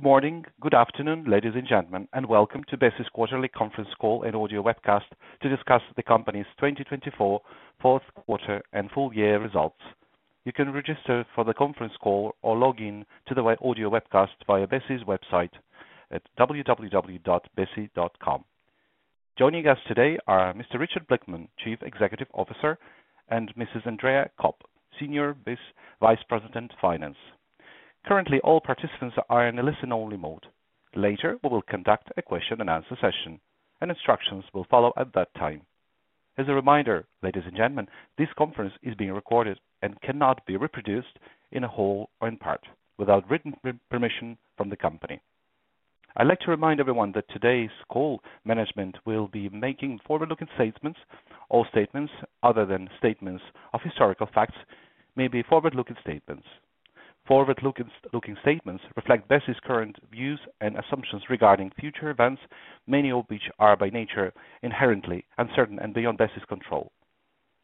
Good morning, good afternoon, ladies and gentlemen, and welcome to Besi's quarterly conference call and audio webcast to discuss the company's 2024 fourth quarter and full year results. You can register for the conference call or log in to the audio webcast via Besi's website at www.besi.com. Joining us today are Mr. Richard Blickman, Chief Executive Officer, and Mrs. Andrea Kopp, Senior Vice President of Finance. Currently, all participants are in a listen-only mode. Later, we will conduct a question-and-answer session, and instructions will follow at that time. As a reminder, ladies and gentlemen, this conference is being recorded and cannot be reproduced in a whole or in part without written permission from the company. I'd like to remind everyone that today's call management will be making forward-looking statements. All statements, other than statements of historical facts, may be forward-looking statements. Forward-looking statements reflect Besi's current views and assumptions regarding future events, many of which are by nature inherently uncertain and beyond Besi's control.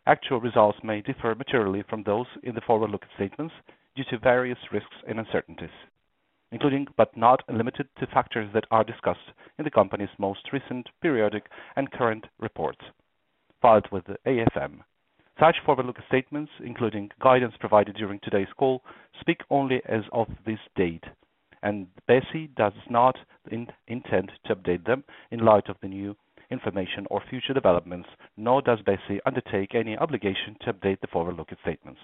Actual results may differ materially from those in the forward-looking statements due to various risks and uncertainties, including but not limited to factors that are discussed in the company's most recent periodic and current reports, filed with the AFM. Such forward-looking statements, including guidance provided during today's call, speak only as of this date, and Besi does not intend to update them in light of the new information or future developments, nor does Besi undertake any obligation to update the forward-looking statements.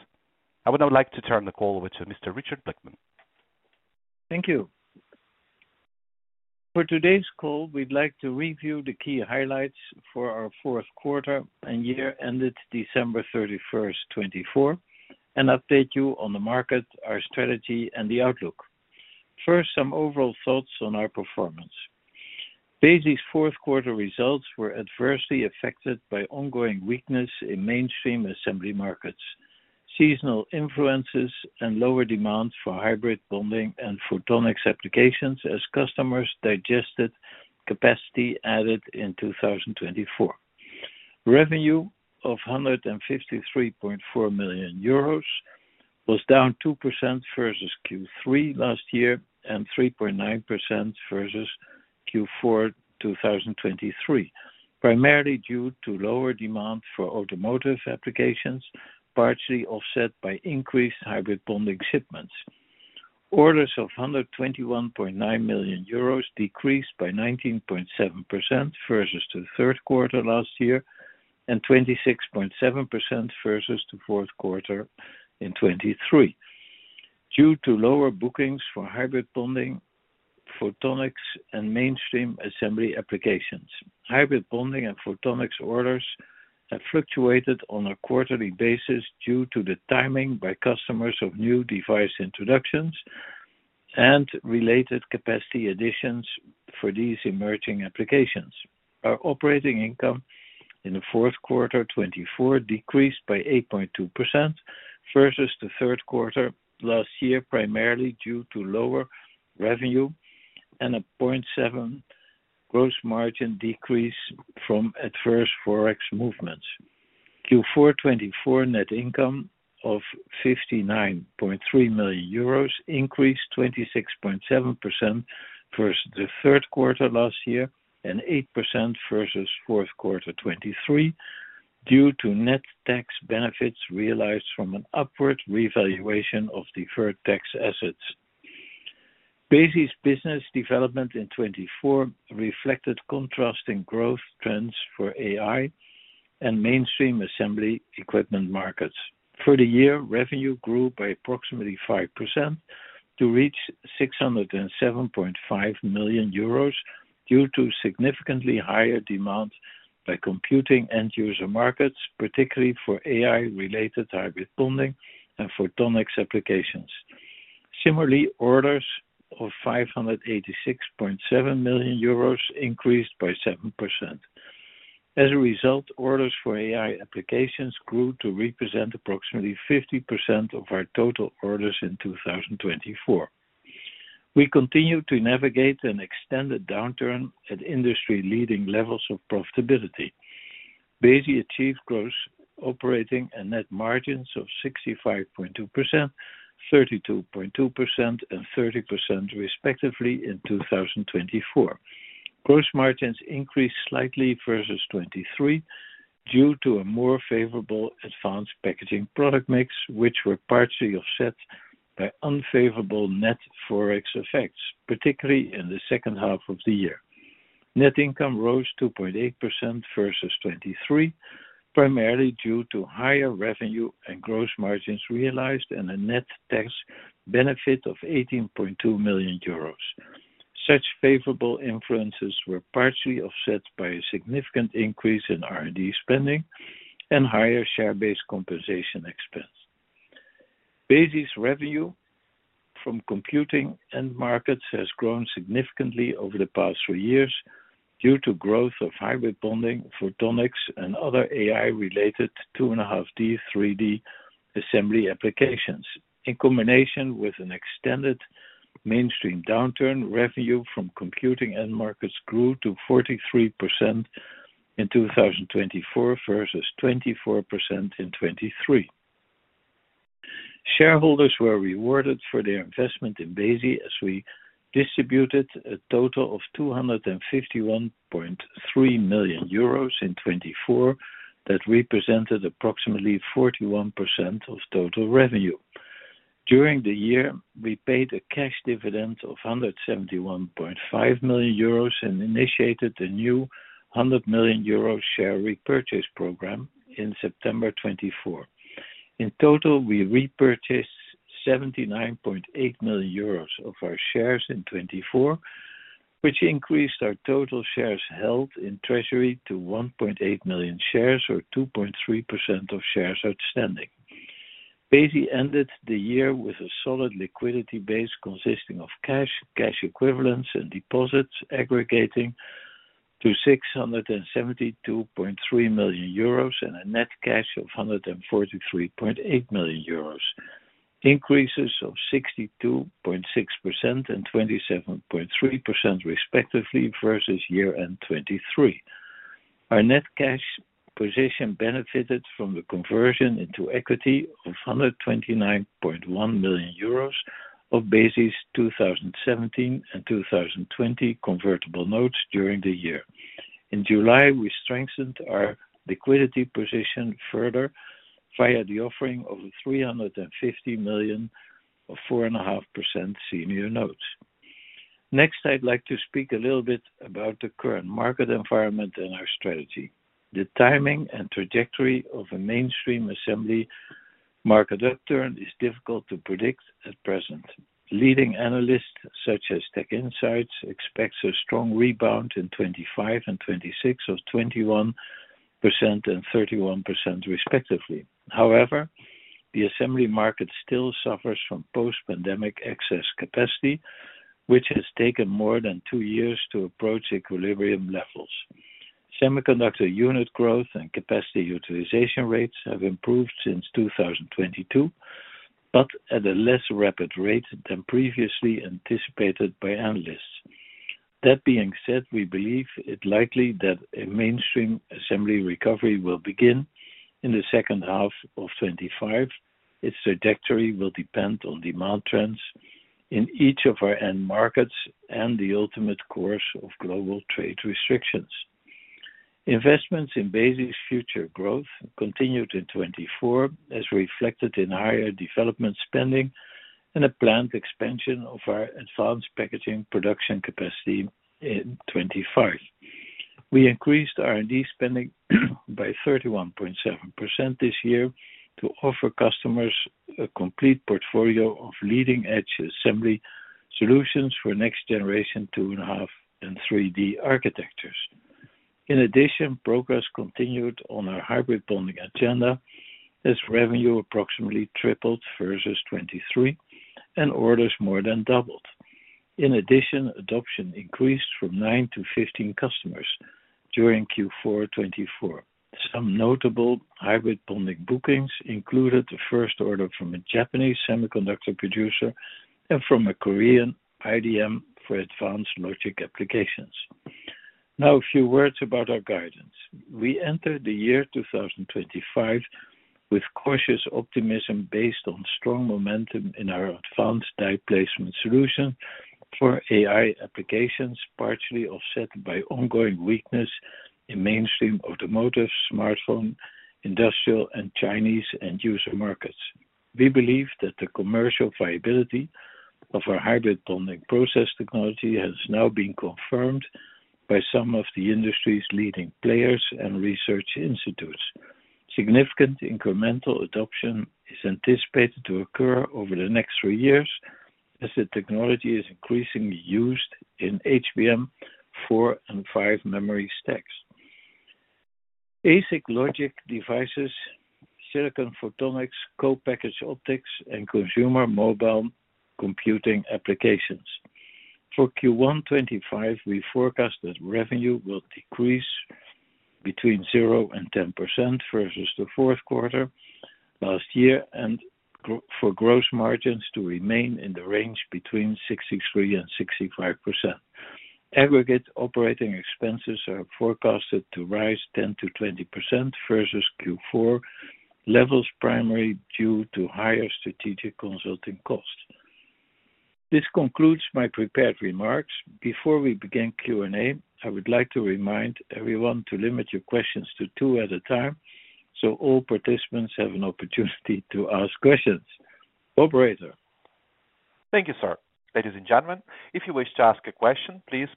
I would now like to turn the call over to Mr. Richard Blickman. Thank you. For today's call, we'd like to review the key highlights for our fourth quarter, and year ended December 31st, 2024, and update you on the market, our strategy, and the outlook. First, some overall thoughts on our performance. Besi's fourth quarter results were adversely affected by ongoing weakness in mainstream assembly markets, seasonal influences, and lower demand for hybrid bonding and photonics applications as customers digested capacity added in 2024. Revenue of 153.4 million euros was down 2% versus Q3 last year and 3.9% versus Q4 2023, primarily due to lower demand for automotive applications, partially offset by increased hybrid bonding shipments. Orders of 121.9 million euros decreased by 19.7% versus the third quarter last year and 26.7% versus the fourth quarter in 2023, due to lower bookings for hybrid bonding, photonics, and mainstream assembly applications. Hybrid bonding and photonics orders have fluctuated on a quarterly basis due to the timing by customers of new device introductions and related capacity additions for these emerging applications. Our operating income in the fourth quarter 2024 decreased by 8.2% versus the third quarter last year, primarily due to lower revenue and a 0.7% gross margin decrease from adverse forex movements. Q4 2024 net income of 59.3 million euros increased 26.7% versus the third quarter last year and 8% versus fourth quarter 2023, due to net tax benefits realized from an upward revaluation of deferred tax assets. Besi's business development in 2024 reflected contrasting growth trends for AI and mainstream assembly equipment markets. For the year, revenue grew by approximately 5% to reach 607.5 million euros due to significantly higher demand by computing end-user markets, particularly for AI-related hybrid bonding and photonics applications. Similarly, orders of 586.7 million euros increased by 7%. As a result, orders for AI applications grew to represent approximately 50% of our total orders in 2024. We continue to navigate an extended downturn at industry-leading levels of profitability. Besi achieved gross operating and net margins of 65.2%, 32.2%, and 30%, respectively, in 2024. Gross margins increased slightly versus 2023 due to a more favorable advanced packaging product mix, which were partially offset by unfavorable net forex effects, particularly in the second half of the year. Net income rose 2.8% versus 2023, primarily due to higher revenue and gross margins realized and a net tax benefit of 18.2 million euros. Such favorable influences were partially offset by a significant increase in R&D spending and higher share-based compensation expense. Besi's revenue from computing end markets has grown significantly over the past three years due to growth of hybrid bonding, photonics, and other AI-related 2.5D, 3D assembly applications. In combination with an extended mainstream downturn, revenue from computing end markets grew to 43% in 2024 versus 24% in 2023. Shareholders were rewarded for their investment in Besi as we distributed a total of 251.3 million euros in 2024 that represented approximately 41% of total revenue. During the year, we paid a cash dividend of 171.5 million euros and initiated a new 100 million euro share repurchase program in September 2024. In total, we repurchased 79.8 million euros of our shares in 2024, which increased our total shares held in treasury to 1.8 million shares, or 2.3% of shares outstanding. Besi ended the year with a solid liquidity base consisting of cash, cash equivalents, and deposits, aggregating to 672.3 million euros and a net cash of 143.8 million euros, increases of 62.6% and 27.3%, respectively, versus year-end 2023. Our net cash position benefited from the conversion into equity of 129.1 million euros of Besi's 2017 and 2020 convertible notes during the year. In July, we strengthened our liquidity position further via the offering of 350 million of 4.5% senior notes. Next, I'd like to speak a little bit about the current market environment and our strategy. The timing and trajectory of a mainstream assembly market upturn is difficult to predict at present. Leading analysts, such as TechInsights, expect a strong rebound in 2025 and 2026 of 21% and 31%, respectively. However, the assembly market still suffers from post-pandemic excess capacity, which has taken more than two years to approach equilibrium levels. Semiconductor unit growth and capacity utilization rates have improved since 2022, but at a less rapid rate than previously anticipated by analysts. That being said, we believe it likely that a mainstream assembly recovery will begin in the second half of 2025. Its trajectory will depend on demand trends in each of our end markets and the ultimate course of global trade restrictions. Investments in Besi's future growth continued in 2024, as reflected in higher development spending and a planned expansion of our advanced packaging production capacity in 2025. We increased R&D spending by 31.7% this year to offer customers a complete portfolio of leading-edge assembly solutions for next-generation 2.5D and 3D architectures. In addition, progress continued on our hybrid bonding agenda, as revenue approximately tripled versus 2023 and orders more than doubled. In addition, adoption increased from nine to 15 customers during Q4 2024. Some notable hybrid bonding bookings included the first order from a Japanese semiconductor producer and from a Korean IDM for advanced logic applications. Now, a few words about our guidance. We entered the year 2025 with cautious optimism based on strong momentum in our advanced die placement solution for AI applications, partially offset by ongoing weakness in mainstream automotive, smartphone, industrial, and Chinese end-user markets. We believe that the commercial viability of our hybrid bonding process technology has now been confirmed by some of the industry's leading players and research institutes. Significant incremental adoption is anticipated to occur over the next three years as the technology is increasingly used in HBM 4 and 5 memory stacks, ASIC logic devices, silicon photonics, co-packaged optics, and consumer mobile computing applications. For Q1 2025, we forecast that revenue will decrease between 0% and 10% versus the fourth quarter last year and for gross margins to remain in the range between 63% and 65%. Aggregate operating expenses are forecasted to rise 10%-20% versus Q4 levels, primarily due to higher strategic consulting costs. This concludes my prepared remarks. Before we begin Q&A, I would like to remind everyone to limit your questions to two at a time so all participants have an opportunity to ask questions. Operator? Thank you, sir. Ladies and gentlemen, if you wish to ask a question, please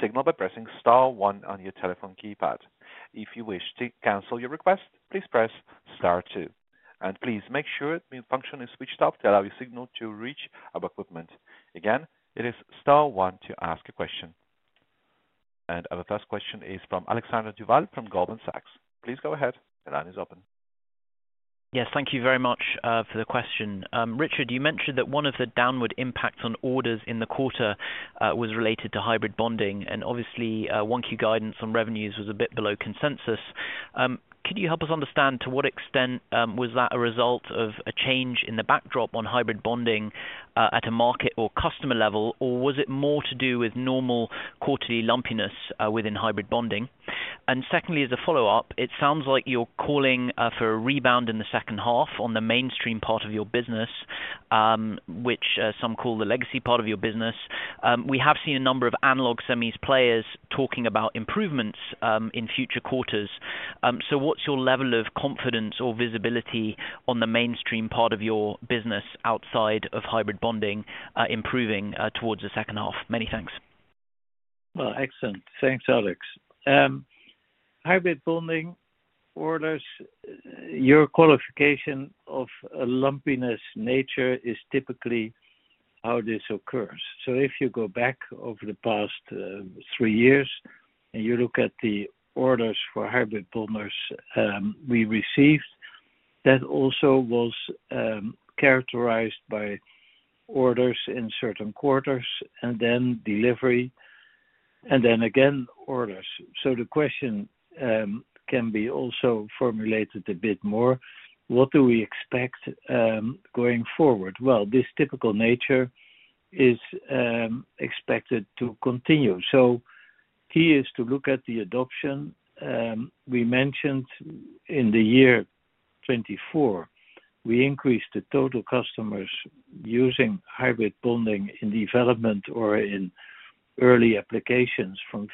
signal by pressing star one on your telephone keypad. If you wish to cancel your request, please press star two. And please make sure the function is switched off to allow your signal to reach our equipment. Again, it is star one to ask a question. And our first question is from Alexander Duval from Goldman Sachs. Please go ahead. The line is open. Yes, thank you very much for the question. Richard, you mentioned that one of the downward impacts on orders in the quarter was related to hybrid bonding, and obviously, 2024 guidance on revenues was a bit below consensus. Could you help us understand to what extent was that a result of a change in the backdrop on hybrid bonding at a market or customer level, or was it more to do with normal quarterly lumpiness within hybrid bonding? And secondly, as a follow-up, it sounds like you're calling for a rebound in the second half on the mainstream part of your business, which some call the legacy part of your business. We have seen a number of analog semis players talking about improvements in future quarters. So what's your level of confidence or visibility on the mainstream part of your business outside of hybrid bonding improving towards the second half? Many thanks. Excellent. Thanks, Alex. Hybrid bonding orders, your qualification of a lumpiness nature is typically how this occurs. So if you go back over the past three years and you look at the orders for hybrid bonders we received, that also was characterized by orders in certain quarters and then delivery and then again orders. So the question can be also formulated a bit more. What do we expect going forward? This typical nature is expected to continue. So key is to look at the adoption. We mentioned in the year 2024, we increased the total customers using hybrid bonding in development or in early applications from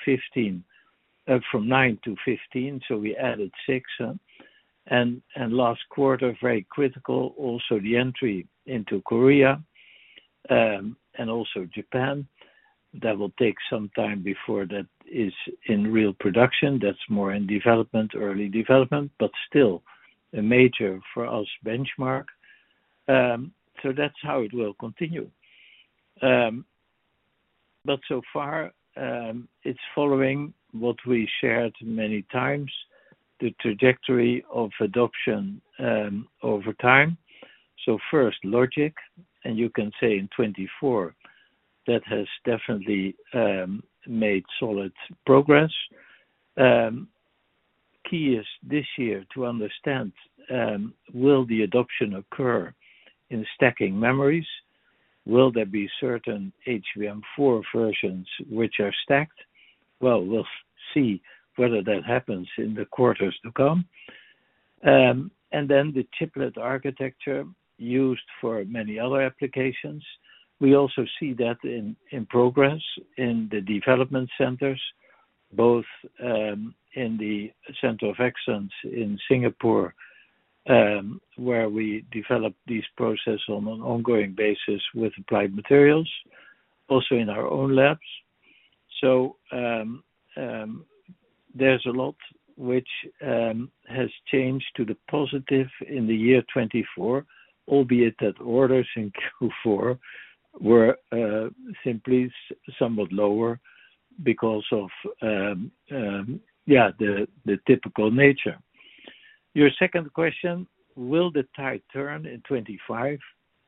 nine to 15, so we added six. And last quarter, very critical, also the entry into Korea and also Japan. That will take some time before that is in real production. That's more in development, early development, but still a major benchmark for us. That's how it will continue, but so far, it's following what we shared many times, the trajectory of adoption over time, so first, logic, and you can say in 2024 that has definitely made solid progress. Key is this year to understand, will the adoption occur in stacking memories? Will there be certain HBM4 versions which are stacked? Well, we'll see whether that happens in the quarters to come, and then the chiplet architecture used for many other applications. We also see that in progress in the development centers, both in the Center of Excellence in Singapore, where we develop these processes on an ongoing basis with Applied Materials, also in our own labs. So there's a lot which has changed to the positive in the year 2024, albeit that orders in Q4 were simply somewhat lower because of the typical nature. Your second question, will the tide turn in 2025,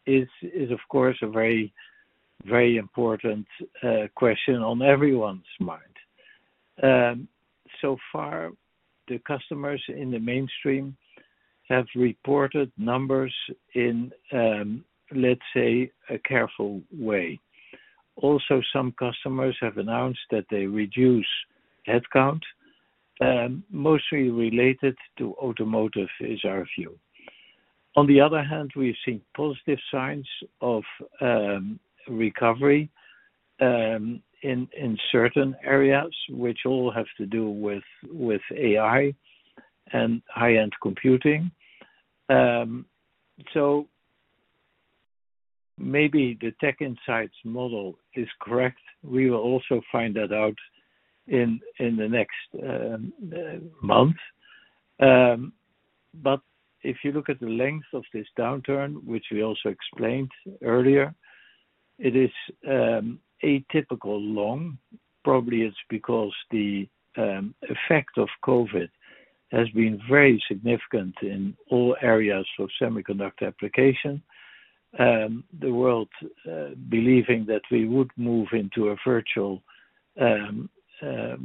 is, of course, a very, very important question on everyone's mind. So far, the customers in the mainstream have reported numbers in, let's say, a careful way. Also, some customers have announced that they reduce headcount, mostly related to automotive, is our view. On the other hand, we've seen positive signs of recovery in certain areas, which all have to do with AI and high-end computing. So maybe the TechInsights model is correct. We will also find that out in the next month. But if you look at the length of this downturn, which we also explained earlier, it is atypical long. Probably it's because the effect of COVID has been very significant in all areas of semiconductor application. The world believing that we would move into a virtual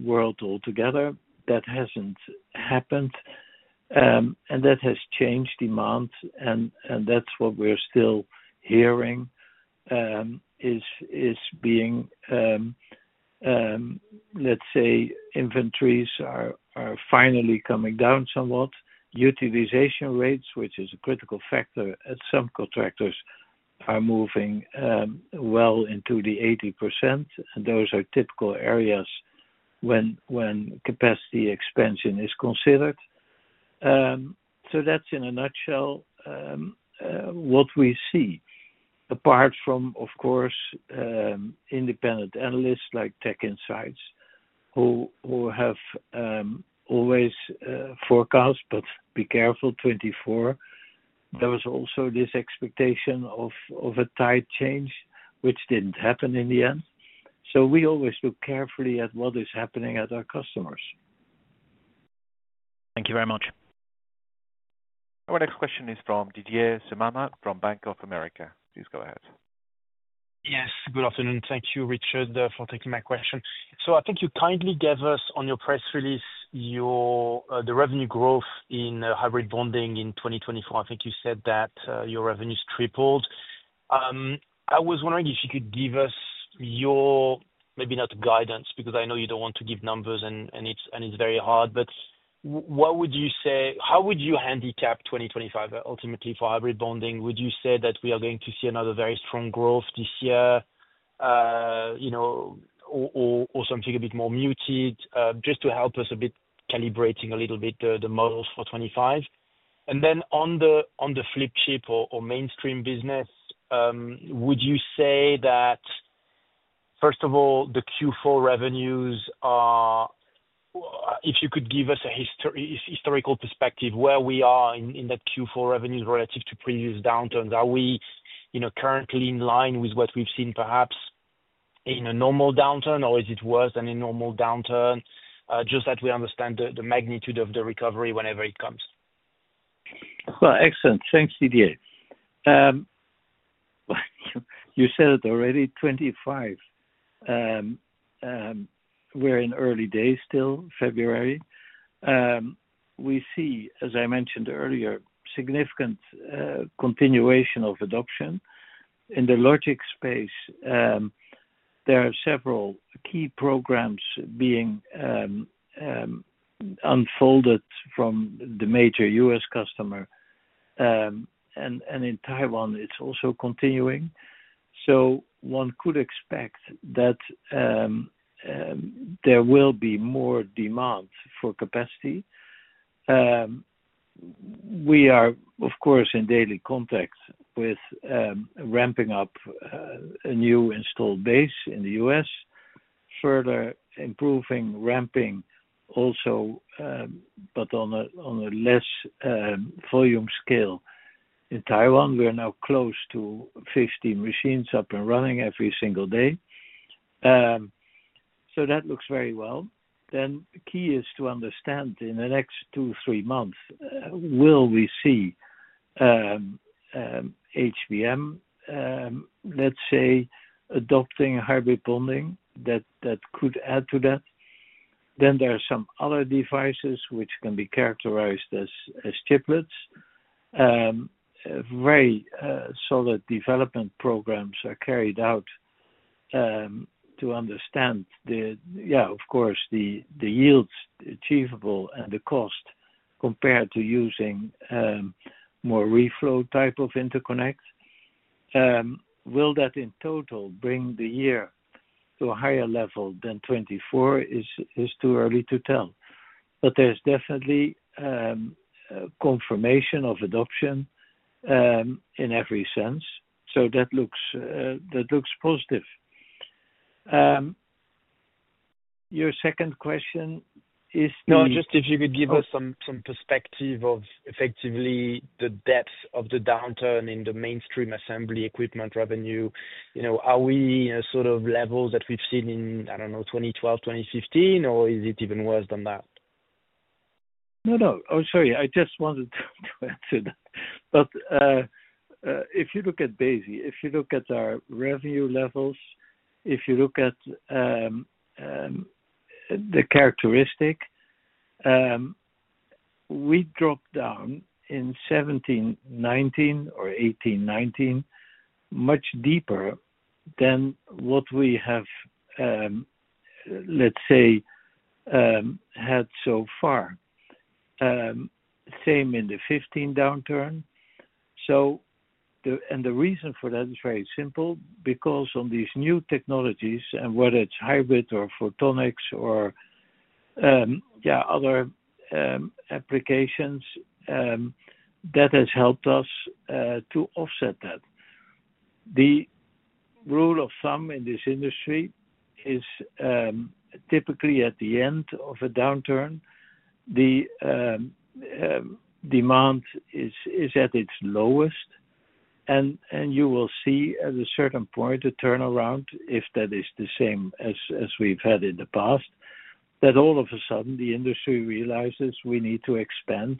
world altogether, that hasn't happened, and that has changed demand, and that's what we're still hearing is being, let's say, inventories are finally coming down somewhat. Utilization rates, which is a critical factor at some contractors, are moving well into the 80%, and those are typical areas when capacity expansion is considered, so that's in a nutshell what we see. Apart from, of course, independent analysts like TechInsights, who have always forecast, but be careful, 2024, there was also this expectation of a tide change, which didn't happen in the end, so we always look carefully at what is happening at our customers. Thank you very much. Our next question is from Didier Scemama from Bank of America. Please go ahead. Yes, good afternoon. Thank you, Richard, for taking my question. So I think you kindly gave us on your press release the revenue growth in hybrid bonding in 2024. I think you said that your revenues tripled. I was wondering if you could give us your, maybe not guidance, because I know you don't want to give numbers and it's very hard, but what would you say, how would you handicap 2025 ultimately for hybrid bonding? Would you say that we are going to see another very strong growth this year or something a bit more muted just to help us a bit calibrating a little bit the models for 2025? And then on the flip chip or mainstream business, would you say that, first of all, the Q4 revenues are, if you could give us a historical perspective, where we are in that Q4 revenues relative to previous downturns? Are we currently in line with what we've seen perhaps in a normal downturn, or is it worse than a normal downturn? Just that we understand the magnitude of the recovery whenever it comes. Excellent. Thanks, Didier. You said it already, 2025. We're in early days still, February. We see, as I mentioned earlier, significant continuation of adoption. In the logic space, there are several key programs being unfolded from the major U.S. customer, and in Taiwan, it's also continuing. So one could expect that there will be more demand for capacity. We are, of course, in daily contact with ramping up a new installed base in the U.S., further improving ramping also, but on a less volume scale. In Taiwan, we're now close to 15 machines up and running every single day. So that looks very well. Then the key is to understand in the next two, three months, will we see HBM, let's say, adopting hybrid bonding that could add to that? Then there are some other devices which can be characterized as chiplets. Very solid development programs are carried out to understand, yeah, of course, the yields achievable and the cost compared to using mass reflow type of interconnect. Will that in total bring the year to a higher level than 2024 is too early to tell. But there's definitely confirmation of adoption in every sense. So that looks positive. Your second question is? No, just if you could give us some perspective of effectively the depth of the downturn in the mainstream assembly equipment revenue. Are we in a sort of level that we've seen in, I don't know, 2012, 2015, or is it even worse than that? No, no. Oh, sorry. I just wanted to answer that, but if you look at Besi, if you look at our revenue levels, if you look at the characteristic, we dropped down in 2017, 2019, or 2018, 2019 much deeper than what we have, let's say, had so far. Same in the 2015 downturn, and the reason for that is very simple because on these new technologies, and whether it's hybrid or photonics or, yeah, other applications, that has helped us to offset that. The rule of thumb in this industry is typically at the end of a downturn, the demand is at its lowest, and you will see at a certain point a turnaround if that is the same as we've had in the past, that all of a sudden the industry realizes we need to expand,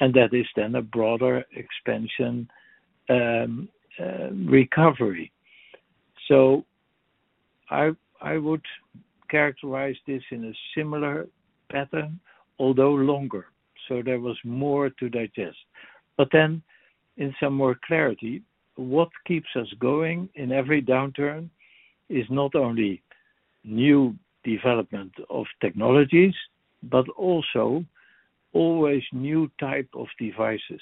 and that is then a broader expansion recovery. So I would characterize this in a similar pattern, although longer. So there was more to digest. But then in some more clarity, what keeps us going in every downturn is not only new development of technologies, but also always new type of devices.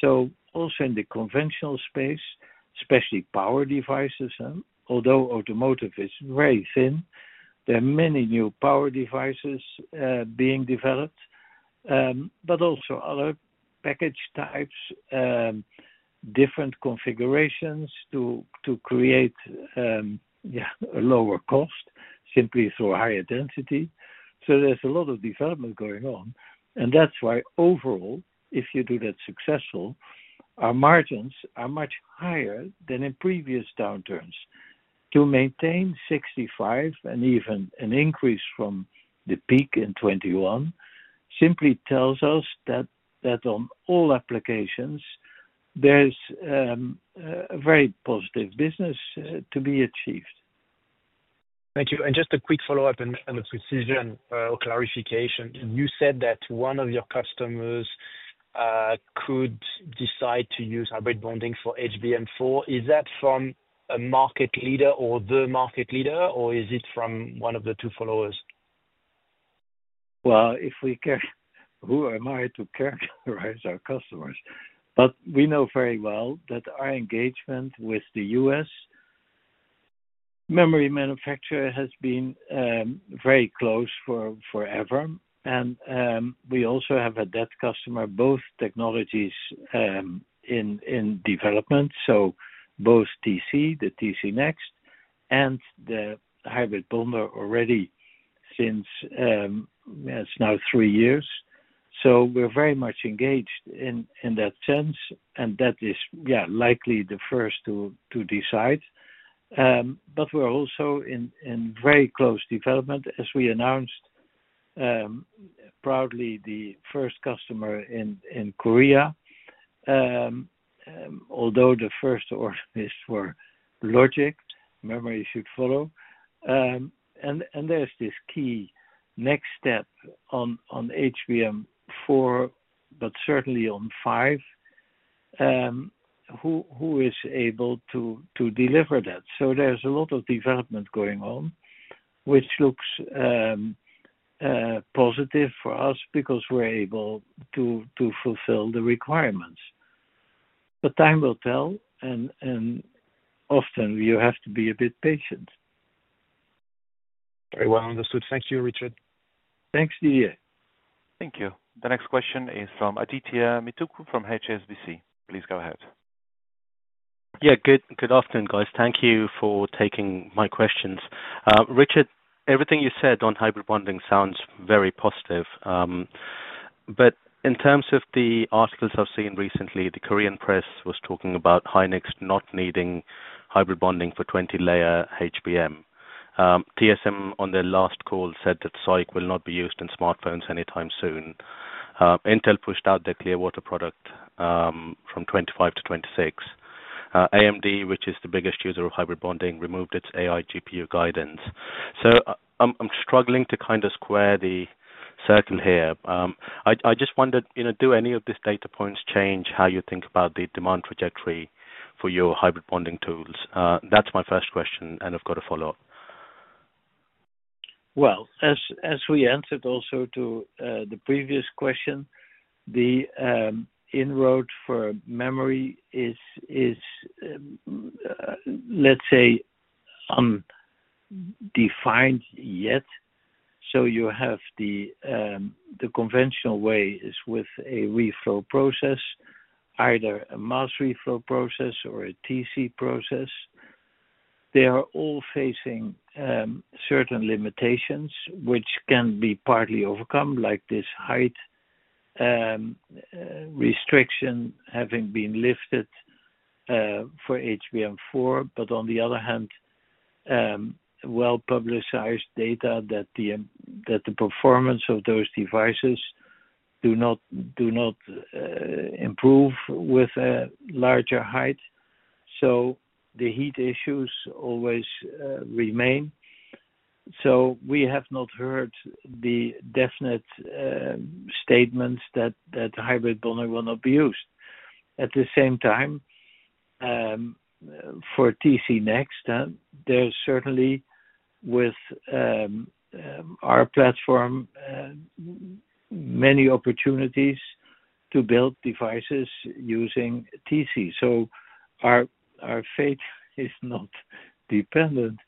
So also in the conventional space, especially power devices, although automotive is very thin, there are many new power devices being developed, but also other package types, different configurations to create, yeah, a lower cost simply through higher density. So there's a lot of development going on. And that's why overall, if you do that successful, our margins are much higher than in previous downturns. To maintain 65% and even an increase from the peak in 2021 simply tells us that on all applications, there's a very positive business to be achieved. Thank you. And just a quick follow-up and a precision or clarification. You said that one of your customers could decide to use hybrid bonding for HBM4. Is that from a market leader or the market leader, or is it from one of the two followers? If we care, who am I to characterize our customers? We know very well that our engagement with the U.S. memory manufacturer has been very close forever. We also have a deep customer, both technologies in development, so both TC, TC next, and the hybrid bonder already since it's now three years. We're very much engaged in that sense, and that is, yeah, likely the first to decide. We're also in very close development, as we announced proudly, the first customer in Korea, although the first orders were logic. Memory should follow. There's this key next step on HBM4, but certainly on HBM5, who is able to deliver that? There's a lot of development going on, which looks positive for us because we're able to fulfill the requirements. Time will tell, and often you have to be a bit patient. Very well understood. Thank you, Richard. Thanks, Didier. Thank you. The next question is from Adithya Metuku from HSBC. Please go ahead. Yeah, good afternoon, guys. Thank you for taking my questions. Richard, everything you said on hybrid bonding sounds very positive. But in terms of the articles I've seen recently, the Korean press was talking about Hynix not needing hybrid bonding for 20-layer HBM. TSM on their last call said that SoIC will not be used in smartphones anytime soon. Intel pushed out their Clearwater product from 2025 to 2026. AMD, which is the biggest user of hybrid bonding, removed its AI GPU guidance. So I'm struggling to kind of square the circle here. I just wondered, do any of these data points change how you think about the demand trajectory for your hybrid bonding tools? That's my first question, and I've got a follow-up. As we answered also to the previous question, the inroad for memory is, let's say, undefined yet. So you have the conventional way is with a reflow process, either a mass reflow process or a TC process. They are all facing certain limitations, which can be partly overcome, like this height restriction having been lifted for HBM4. But on the other hand, well-publicized data that the performance of those devices do not improve with a larger height. So the heat issues always remain. So we have not heard the definite statements that hybrid bonding will not be used. At the same time, for TC next, there's certainly with our platform many opportunities to build devices using TC. So our fate is not dependent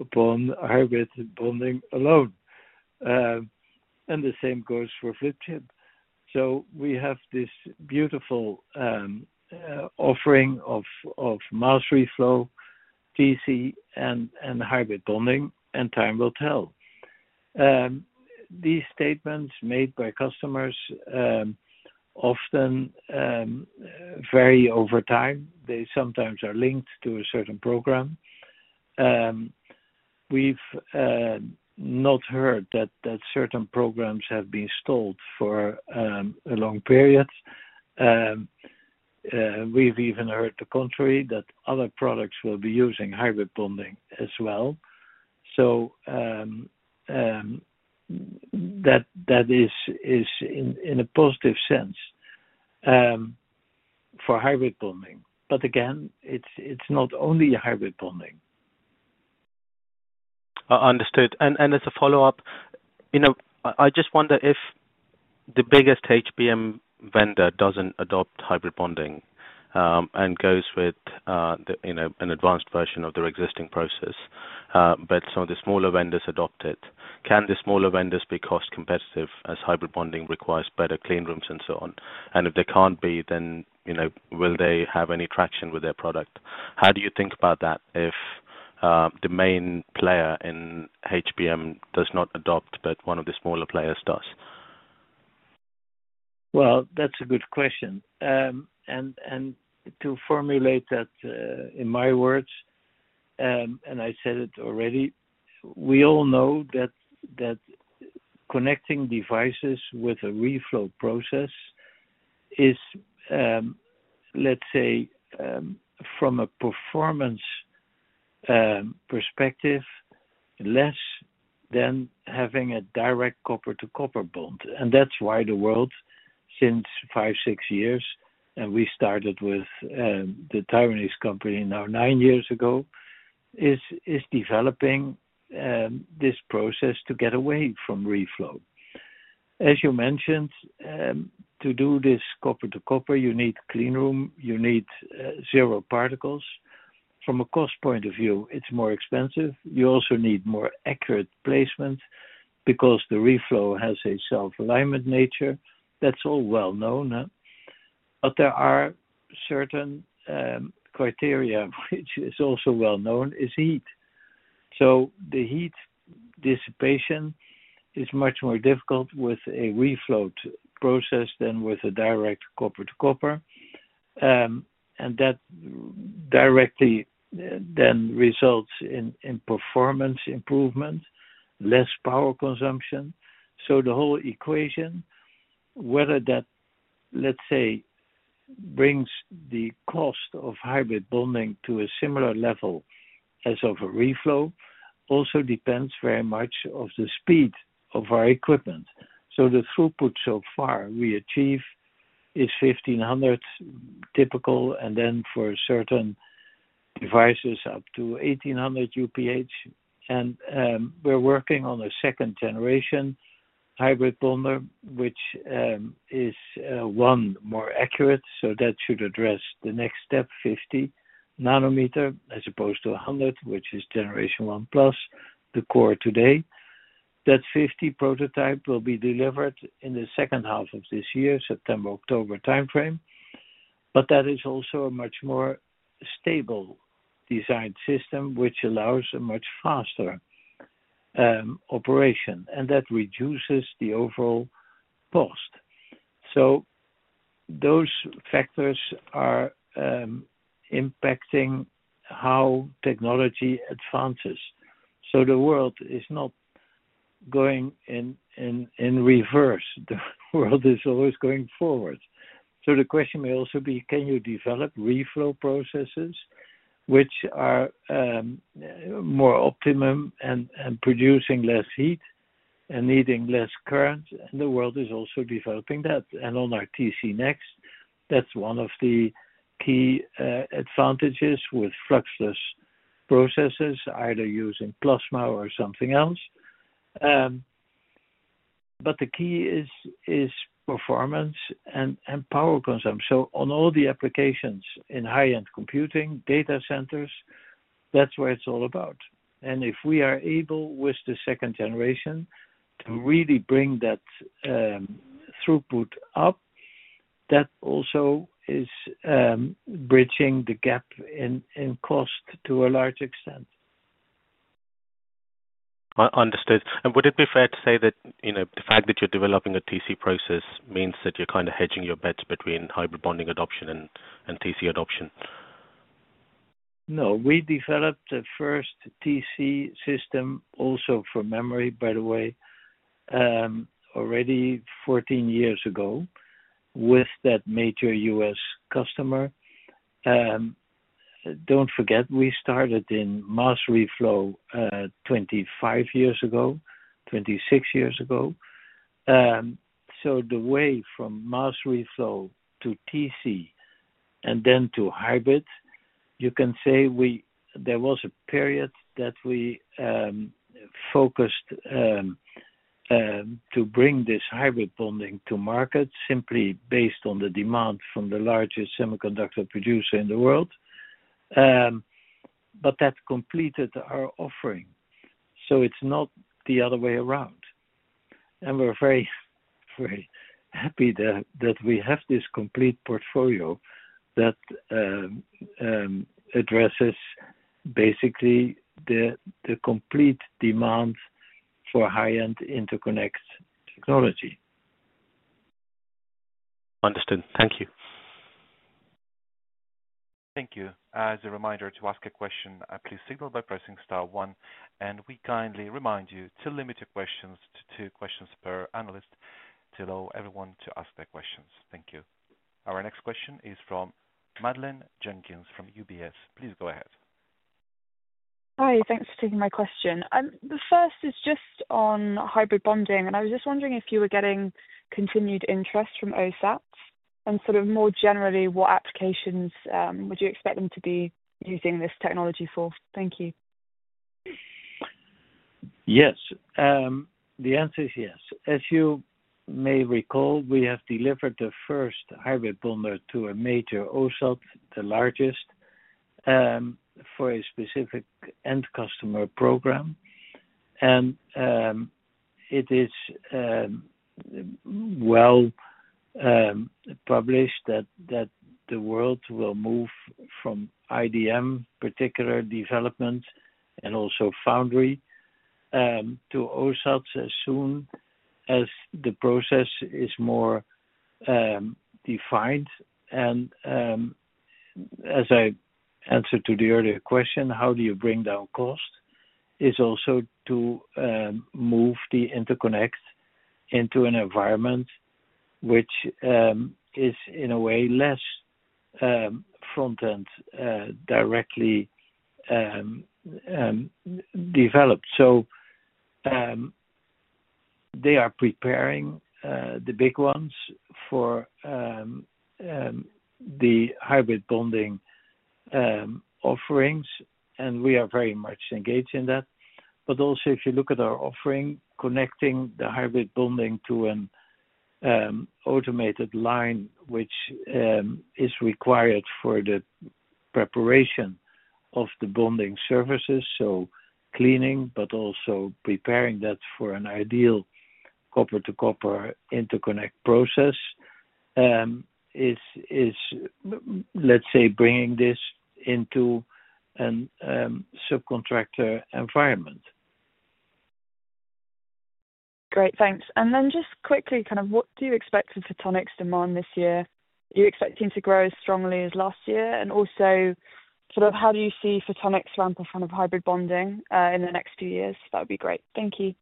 upon hybrid bonding alone. The same goes for flip chip. So we have this beautiful offering of mass reflow, TC, and hybrid bonding, and time will tell. These statements made by customers often vary over time. They sometimes are linked to a certain program. We've not heard that certain programs have been stalled for a long period. We've even heard the contrary that other products will be using hybrid bonding as well. So that is in a positive sense for hybrid bonding. But again, it's not only hybrid bonding. Understood. And as a follow-up, I just wonder if the biggest HBM vendor doesn't adopt hybrid bonding and goes with an advanced version of their existing process, but some of the smaller vendors adopt it. Can the smaller vendors be cost competitive as hybrid bonding requires better clean rooms and so on? And if they can't be, then will they have any traction with their product? How do you think about that if the main player in HBM does not adopt, but one of the smaller players does? That's a good question. And to formulate that in my words, and I said it already, we all know that connecting devices with a reflow process is, let's say, from a performance perspective, less than having a direct copper-to-copper bond. And that's why the world, since five, six years, and we started with the Taiwanese company now nine years ago, is developing this process to get away from reflow. As you mentioned, to do this copper-to-copper, you need clean room. You need zero particles. From a cost point of view, it's more expensive. You also need more accurate placement because the reflow has a self-alignment nature. That's all well known. But there are certain criteria which is also well known is heat. So the heat dissipation is much more difficult with a reflow process than with a direct copper-to-copper. And that directly then results in performance improvement, less power consumption. So the whole equation, whether that, let's say, brings the cost of hybrid bonding to a similar level as of a reflow, also depends very much on the speed of our equipment. So the throughput so far we achieve is 1,500 typical, and then for certain devices up to 1,800 UPH. And we're working on a second-generation hybrid bonder, which is one more accurate. So that should address the next step, 50 nanometer as opposed to 100, which is generation one plus the core today. That 50 prototype will be delivered in the second half of this year, September, October timeframe. But that is also a much more stable designed system, which allows a much faster operation. And that reduces the overall cost. So those factors are impacting how technology advances. So the world is not going in reverse. The world is always going forward. So the question may also be, can you develop reflow processes which are more optimum and producing less heat and needing less current? And the world is also developing that. And on our TC next, that's one of the key advantages with fluxless processes, either using plasma or something else. But the key is performance and power consumption. So on all the applications in high-end computing, data centers, that's what it's all about. And if we are able with the second generation to really bring that throughput up, that also is bridging the gap in cost to a large extent. Understood. And would it be fair to say that the fact that you're developing a TC process means that you're kind of hedging your bets between hybrid bonding adoption and TC adoption? No. We developed the first TC system also for memory, by the way, already 14 years ago with that major U.S. customer. Don't forget, we started in mass reflow 25 years ago, 26 years ago. So the way from mass reflow to TC and then to hybrid, you can say there was a period that we focused to bring this hybrid bonding to market simply based on the demand from the largest semiconductor producer in the world. But that completed our offering. So it's not the other way around. And we're very happy that we have this complete portfolio that addresses basically the complete demand for high-end interconnect technology. Understood. Thank you. Thank you. As a reminder to ask a question, please signal by pressing star one, and we kindly remind you to limit your questions to two questions per analyst to allow everyone to ask their questions. Thank you. Our next question is from Madeleine Jenkins from UBS. Please go ahead. Hi. Thanks for taking my question. The first is just on hybrid bonding. And I was just wondering if you were getting continued interest from OSAT and sort of more generally what applications would you expect them to be using this technology for? Thank you. Yes. The answer is yes. As you may recall, we have delivered the first hybrid bonder to a major OSAT, the largest, for a specific end customer program. And it is well published that the world will move from IDM, particular development, and also foundry to OSAT as soon as the process is more defined. And as I answered to the earlier question, how do you bring down cost is also to move the interconnect into an environment which is in a way less front-end directly developed. So they are preparing the big ones for the hybrid bonding offerings. And we are very much engaged in that. But also, if you look at our offering, connecting the hybrid bonding to an automated line, which is required for the preparation of the bonding services, so cleaning, but also preparing that for an ideal copper-to-copper interconnect process is, let's say, bringing this into a subcontractor environment. Great. Thanks. And then just quickly, kind of what do you expect for photonics demand this year? Are you expecting to grow as strongly as last year? And also, sort of how do you see photonics ramp up from hybrid bonding in the next few years? That would be great. Thank you.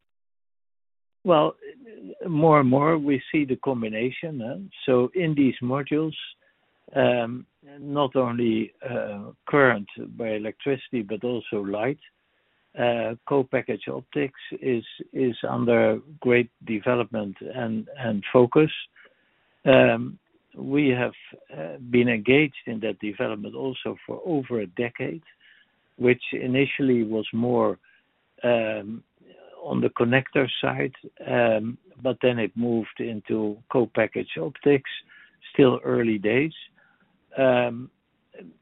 More and more we see the combination. In these modules, not only current by electricity, but also light, co-packaged optics is under great development and focus. We have been engaged in that development also for over a decade, which initially was more on the connector side, but then it moved into co-packaged optics. Still early days.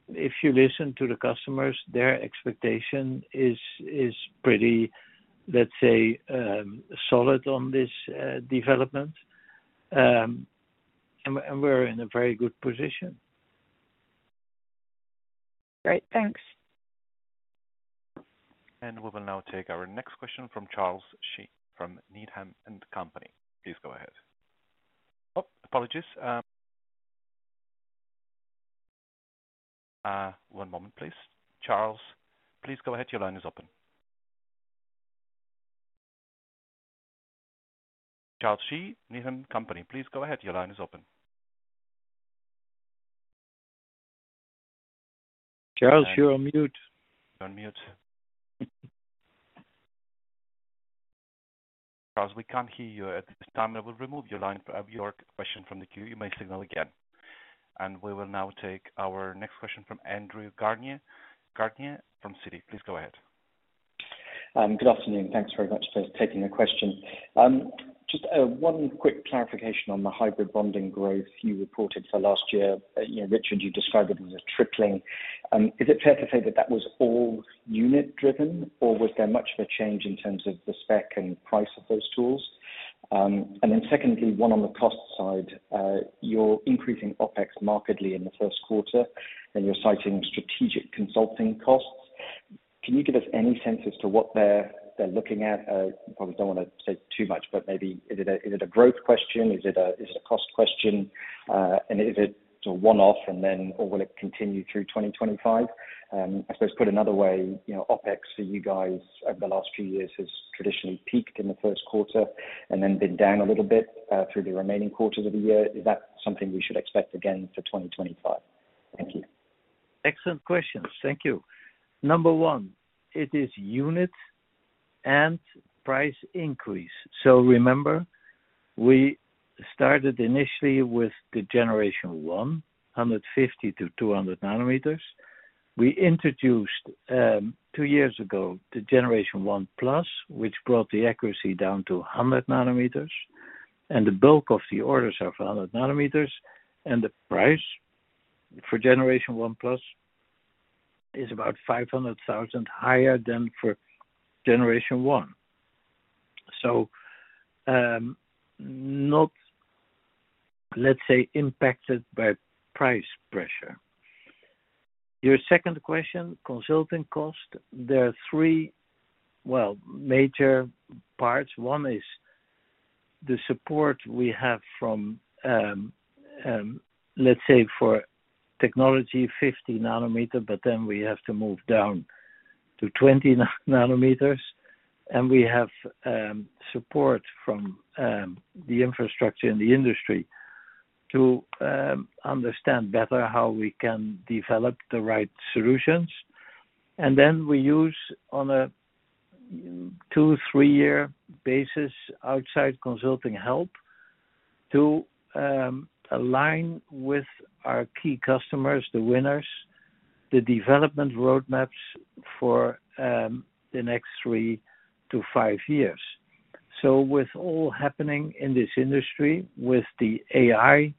If you listen to the customers, their expectation is pretty, let's say, solid on this development. We're in a very good position. Great. Thanks. And we will now take our next question from Charles Shi from Needham and Company. Please go ahead. Oh, apologies. One moment, please. Charles, please go ahead. Your line is open. Charles Shi, Needham and Company. Please go ahead. Your line is open. Charles, you're on mute. You're on mute. Charles, we can't hear you at this time. I will remove your line for your question from the queue. You may signal again. And we will now take our next question from Andrew Gardiner from Citi. Please go ahead. Good afternoon. Thanks very much for taking the question. Just one quick clarification on the hybrid bonding growth you reported for last year. Richard, you described it as a tripling. Is it fair to say that that was all unit-driven, or was there much of a change in terms of the spec and price of those tools? And then secondly, one on the cost side, you're increasing OpEx markedly in the first quarter, and you're citing strategic consulting costs. Can you give us any sense to what they're looking at? You probably don't want to say too much, but maybe is it a growth question? Is it a cost question? And is it a one-off, or will it continue through 2025? I suppose put another way, OpEx for you guys over the last few years has traditionally peaked in the first quarter and then been down a little bit through the remaining quarters of the year. Is that something we should expect again for 2025? Thank you. Excellent questions. Thank you. Number one, it is unit and price increase, so remember, we started initially with the generation one, 150-200 nanometers. We introduced two years ago the generation one plus, which brought the accuracy down to 100 nanometers, and the bulk of the orders are for 100 nanometers, and the price for generation one plus is about 500,000 higher than for generation one, so not, let's say, impacted by price pressure. Your second question, consulting cost, there are three, well, major parts. One is the support we have from, let's say, for technology, 50 nanometer, but then we have to move down to 20 nanometers, and we have support from the infrastructure in the industry to understand better how we can develop the right solutions. And then we use on a two- to three-year basis outside consulting help to align with our key customers, the winners, the development roadmaps for the next three to five years. So with all happening in this industry, with the AI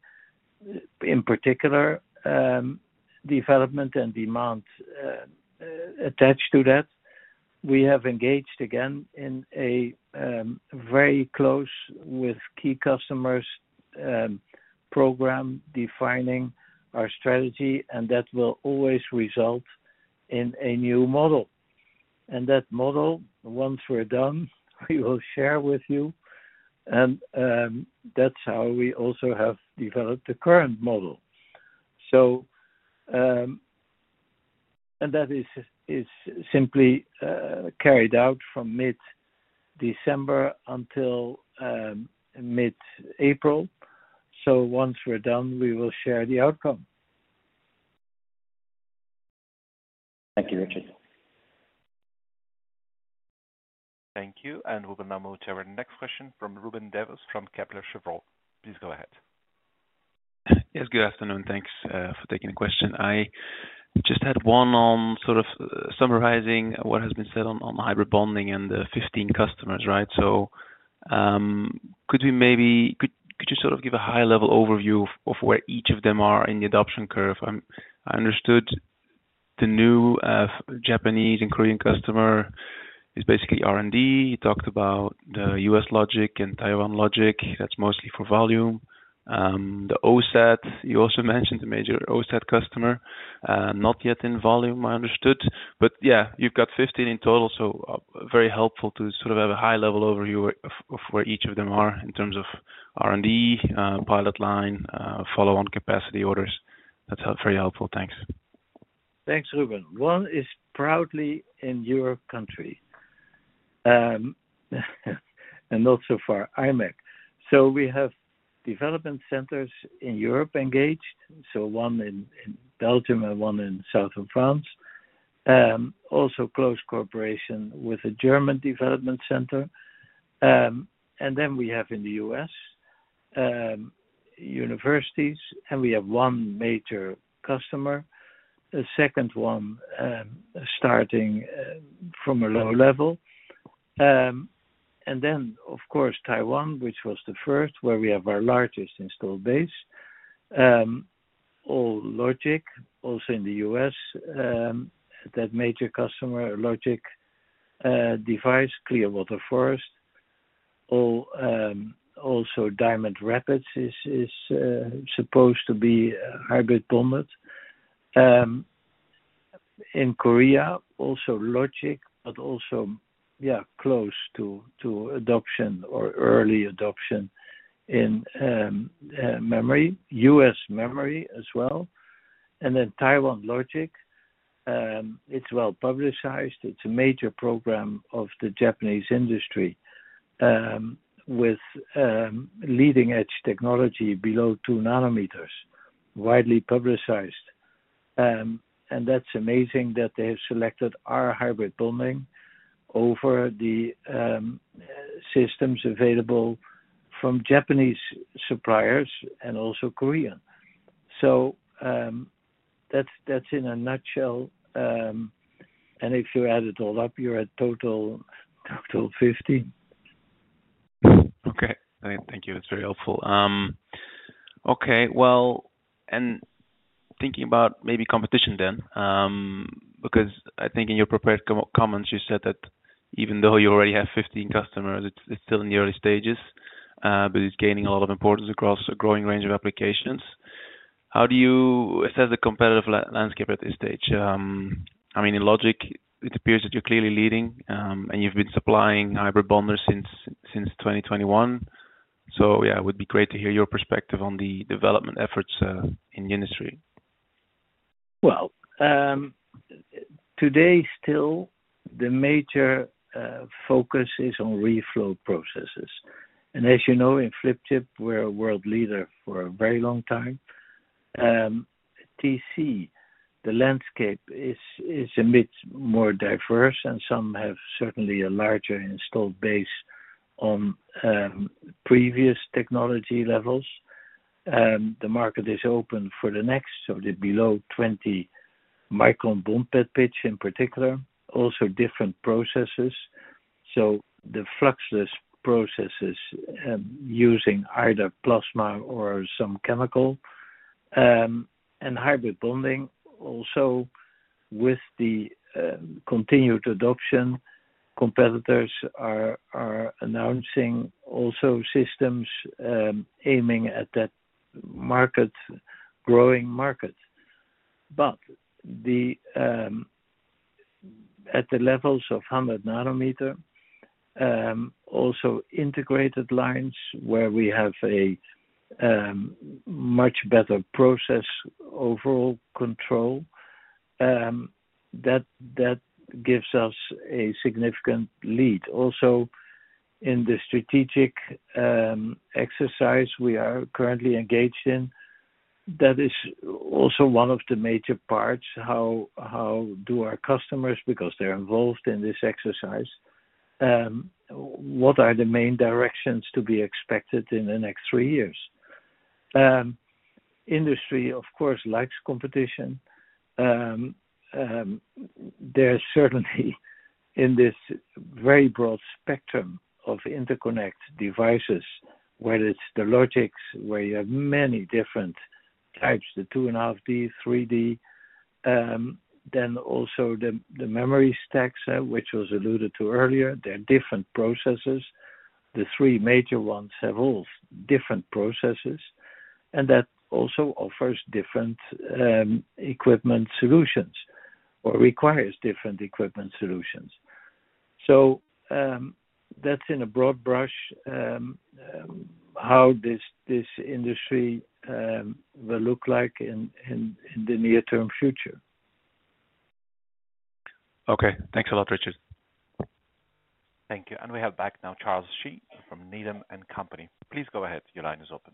in particular, development and demand attached to that, we have engaged again in a very close with key customers program defining our strategy. And that will always result in a new model. And that model, once we're done, we will share with you. And that's how we also have developed the current model. And that is simply carried out from mid-December until mid-April. So once we're done, we will share the outcome. Thank you, Richard. Thank you, and we will now move to our next question from Ruben Devos from Kepler Cheuvreux. Please go ahead. Yes. Good afternoon. Thanks for taking the question. I just had one on sort of summarizing what has been said on hybrid bonding and the 15 customers, right? So could you sort of give a high-level overview of where each of them are in the adoption curve? I understood the new Japanese and Korean customer is basically R&D. You talked about the U.S. logic and Taiwan logic. That's mostly for volume. The OSAT, you also mentioned a major OSAT customer, not yet in volume, I understood. But yeah, you've got 15 in total. So very helpful to sort of have a high-level overview of where each of them are in terms of R&D, pilot line, follow-on capacity orders. That's very helpful. Thanks. Thanks, Ruben. One is proudly in your country and not so far Imec. So we have development centers in Europe engaged. So one in Belgium and one in southern France. Also close cooperation with a German development center. And then we have in the U.S. universities. And we have one major customer. A second one starting from a low level. And then, of course, Taiwan, which was the first, where we have our largest installed base. All logic, also in the U.S. That major customer, logic device, Clearwater Forest. Also Diamond Rapids is supposed to be hybrid bonded. In Korea, also logic, but also, yeah, close to adoption or early adoption in memory. U.S. memory as well. And then Taiwan logic. It's well publicized. It's a major program of the Japanese industry with leading-edge technology below two nanometers, widely publicized. That's amazing that they have selected our hybrid bonding over the systems available from Japanese suppliers and also Korean. That's in a nutshell. If you add it all up, you're at total 15. Okay. Thank you. That's very helpful. Okay. Well, and thinking about maybe competition then, because I think in your prepared comments, you said that even though you already have 15 customers, it's still in the early stages, but it's gaining a lot of importance across a growing range of applications. How do you assess the competitive landscape at this stage? I mean, in Logic, it appears that you're clearly leading, and you've been supplying hybrid bonders since 2021. So yeah, it would be great to hear your perspective on the development efforts in the industry. Today still, the major focus is on reflow processes. As you know, in flip chip, we're a world leader for a very long time. TC, the landscape is a bit more diverse, and some have certainly a larger installed base on previous technology levels. The market is open for the next, so the below 20-micron bond pad pitch in particular, also different processes. The fluxless processes using either plasma or some chemical. Hybrid bonding, also with the continued adoption, competitors are announcing also systems aiming at that growing market. At the levels of 100-nanometer, also integrated lines where we have a much better process overall control, that gives us a significant lead. Also, in the strategic exercise we are currently engaged in, that is also one of the major parts. How do our customers, because they're involved in this exercise, what are the main directions to be expected in the next three years? Industry, of course, likes competition. There's certainly, in this very broad spectrum of interconnect devices, whether it's the Logics, where you have many different types, the 2.5D, 3D, then also the memory stacks, which was alluded to earlier. They're different processes. The three major ones have all different processes. And that also offers different equipment solutions or requires different equipment solutions. So that's in a broad brush how this industry will look like in the near-term future. Okay. Thanks a lot, Richard. Thank you. And we have back now Charles Shi from Needham & Company. Please go ahead. Your line is open.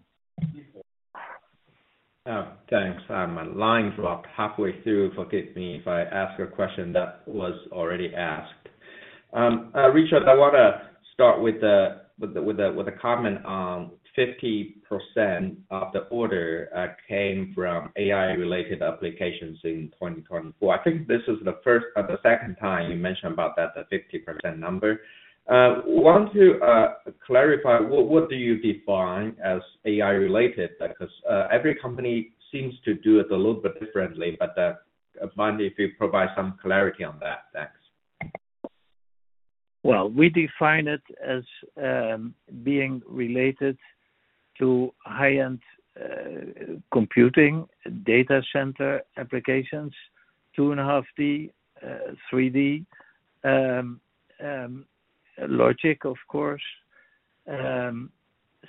Thanks. My line dropped halfway through. Forgive me if I ask a question that was already asked. Richard, I want to start with a comment on 50% of the order came from AI-related applications in 2024. I think this is the second time you mentioned about that 50% number. I want to clarify, what do you define as AI-related? Because every company seems to do it a little bit differently, but if you provide some clarity on that, thanks. We define it as being related to high-end computing data center applications, 2.5D, 3D, Logic, of course.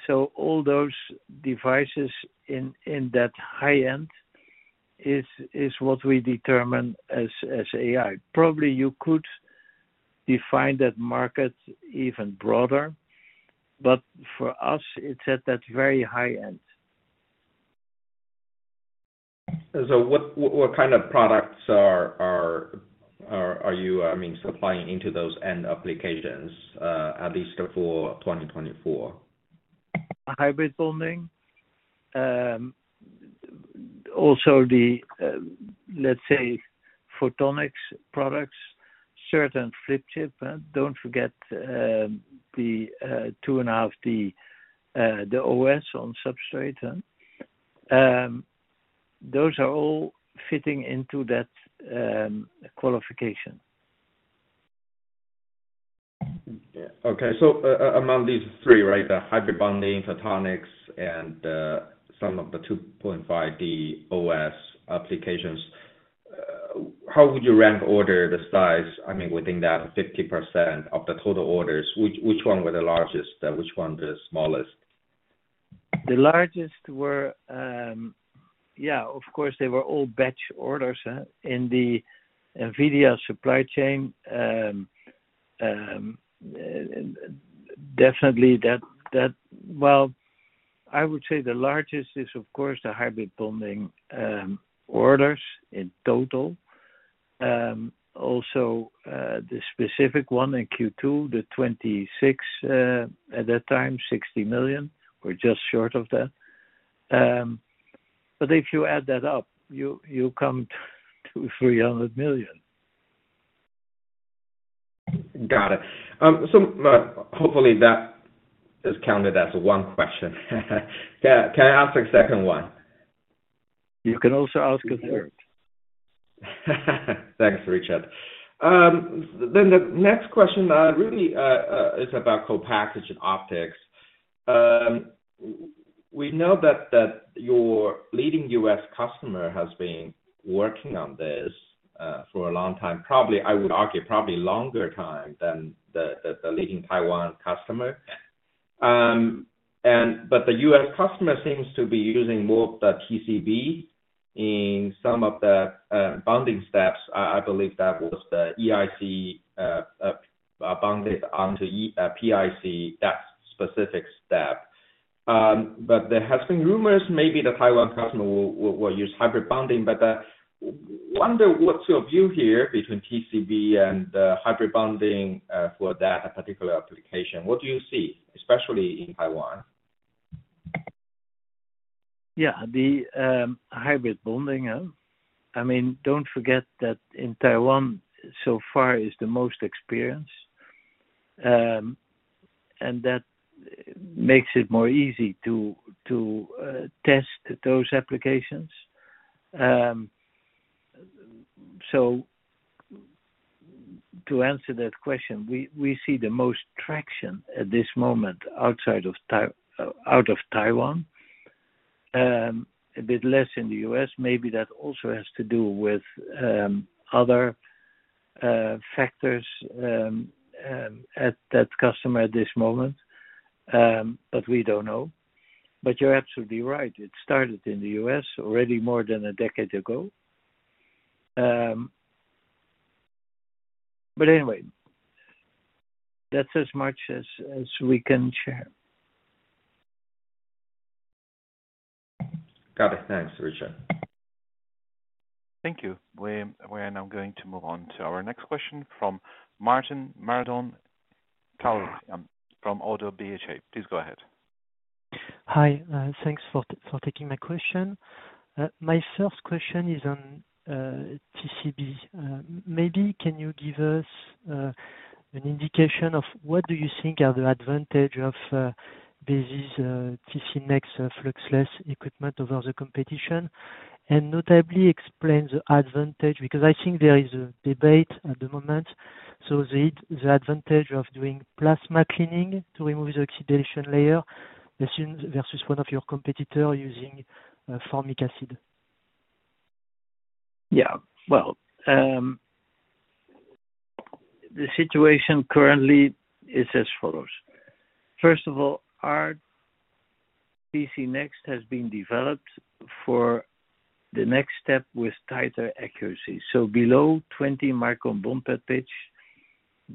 So all those devices in that high-end is what we determine as AI. Probably you could define that market even broader, but for us, it's at that very high end. So what kind of products are you supplying into those end applications at least for 2024? Hybrid bonding. Also, let's say photonics products, certain flip chip. Don't forget the 2.5D, the OS on substrate. Those are all fitting into that qualification. Okay. So among these three, right, the hybrid bonding, photonics, and some of the 2.5D OS applications, how would you rank order the size? I mean, within that 50% of the total orders, which one were the largest? Which one were the smallest? The largest were, yeah, of course, they were all batch orders in the NVIDIA supply chain. Definitely that. Well, I would say the largest is, of course, the hybrid bonding orders in total. Also, the specific one in Q2, the 26 at that time, 60 million. We're just short of that. But if you add that up, you come to EUR 300 million. Got it. So hopefully that is counted as one question. Can I ask a second one? You can also ask a third. Thanks, Richard. Then the next question really is about co-packaged optics. We know that your leading U.S. customer has been working on this for a long time, probably I would argue probably longer time than the leading Taiwan customer. But the U.S. customer seems to be using more of the TCB in some of the bonding steps. I believe that was the EIC bonded onto PIC, that specific step. But there has been rumors maybe the Taiwan customer will use hybrid bonding, but I wonder what's your view here between TCB and hybrid bonding for that particular application? What do you see, especially in Taiwan? Yeah. The hybrid bonding, I mean, don't forget that in Taiwan so far is the most experienced. And that makes it more easy to test those applications. So to answer that question, we see the most traction at this moment outside of Taiwan, a bit less in the U.S. Maybe that also has to do with other factors at that customer at this moment, but we don't know. But you're absolutely right. It started in the U.S. already more than a decade ago. But anyway, that's as much as we can share. Got it. Thanks, Richard. Thank you. We are now going to move on to our next question from Martin Marandon from ODDO BHF. Please go ahead. Hi. Thanks for taking my question. My first question is on TCB. Maybe can you give us an indication of what do you think are the advantages of Besi's TC next fluxless equipment over the competition? And notably explain the advantage because I think there is a debate at the moment. So the advantage of doing plasma cleaning to remove the oxidation layer versus one of your competitors using formic acid. Yeah. Well, the situation currently is as follows. First of all, our TC next has been developed for the next step with tighter accuracy. So below 20 micron bond bed pitch,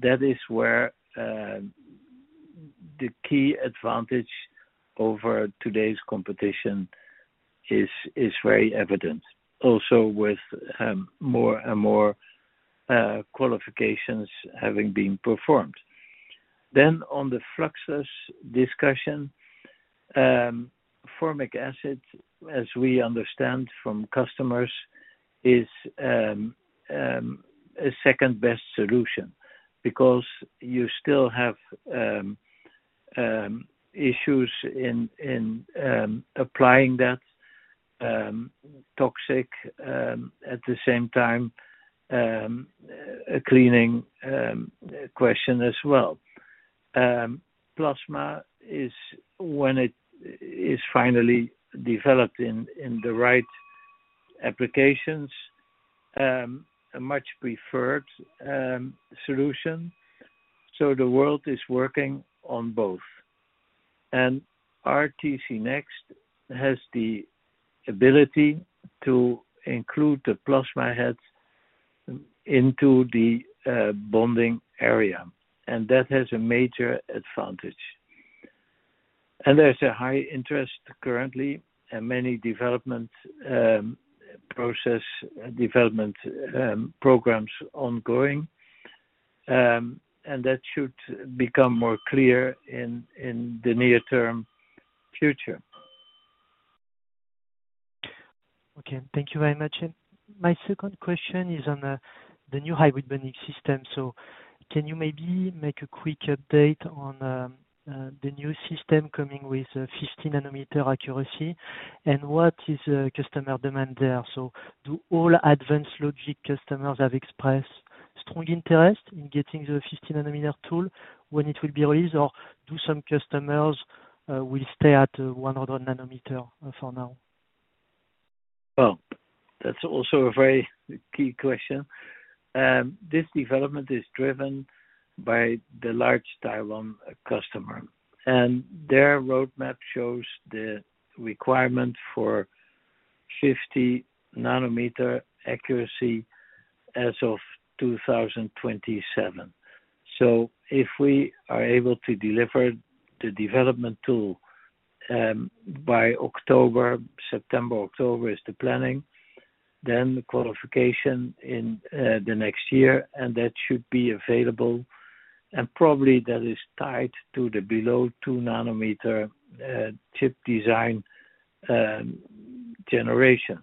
that is where the key advantage over today's competition is very evident. Also with more and more qualifications having been performed. Then on the fluxless discussion, formic acid, as we understand from customers, is a second-best solution because you still have issues in applying that toxic at the same time cleaning question as well. Plasma is, when it is finally developed in the right applications, a much preferred solution. So the world is working on both. And our TC next has the ability to include the plasma heads into the bonding area. And that has a major advantage. And there's a high interest currently and many development programs ongoing. And that should become more clear in the near-term future. Okay. Thank you very much. And my second question is on the new hybrid bonding system. So can you maybe make a quick update on the new system coming with 15 nanometer accuracy? And what is the customer demand there? So do all advanced logic customers have expressed strong interest in getting the 15 nanometer tool when it will be released, or do some customers will stay at 100 nanometer for now? Well, that's also a very key question. This development is driven by the large Taiwan customer. And their roadmap shows the requirement for 50 nanometer accuracy as of 2027. So if we are able to deliver the development tool by October, September, October is the planning, then the qualification in the next year, and that should be available. And probably that is tied to the below 2 nanometer chip design generation.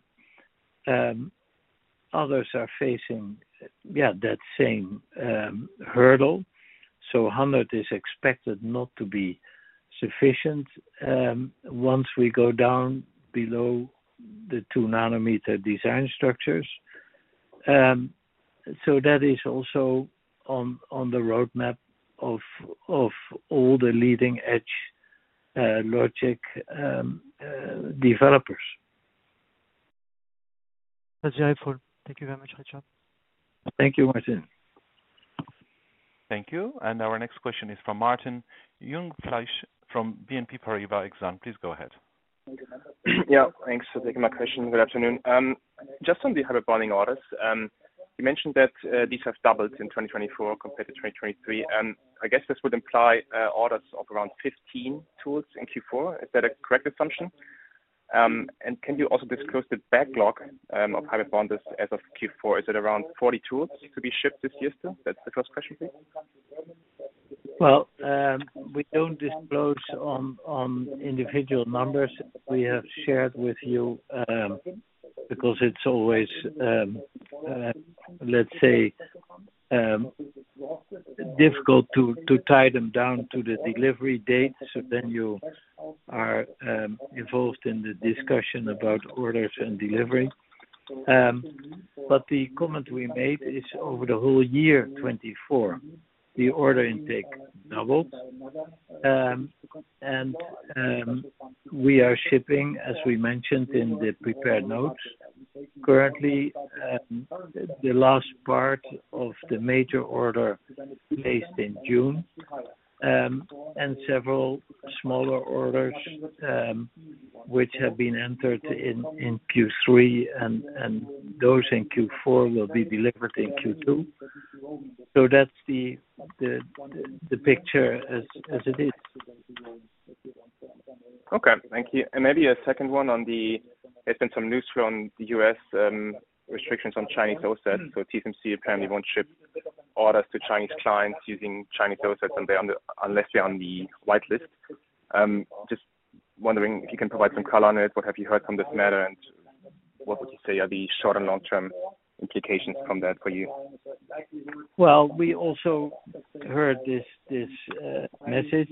Others are facing, yeah, that same hurdle. So 100 is expected not to be sufficient once we go down below the 2 nanometer design structures. So that is also on the roadmap of all the leading-edge logic developers. That's all. Thank you very much, Richard. Thank you, Martin. Thank you. And our next question is from Martin Jungfleisch from BNP Paribas Exane. Please go ahead. Yeah. Thanks for taking my question. Good afternoon. Just on the hybrid bonding orders, you mentioned that these have doubled in 2024 compared to 2023. And I guess this would imply orders of around 15 tools in Q4. Is that a correct assumption? And can you also disclose the backlog of hybrid bonders as of Q4? Is it around 40 tools to be shipped this year still? That's the first question, please. We don't disclose on individual numbers. We have shared with you because it's always, let's say, difficult to tie them down to the delivery date. You are involved in the discussion about orders and delivery. The comment we made is over the whole year 2024, the order intake doubled. We are shipping, as we mentioned in the prepared notes, currently the last part of the major order placed in June and several smaller orders which have been entered in Q3, and those in Q4 will be delivered in Q2. That's the picture as it is. Okay. Thank you. And maybe a second one. There's been some news from the U.S. restrictions on Chinese OSATs. So TSMC apparently won't ship orders to Chinese clients using Chinese OSATs unless they're on the whitelist. Just wondering if you can provide some color on it. What have you heard from this matter? And what would you say are the short and long-term implications from that for you? We also heard this message.